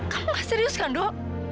kamu gak serius kan dok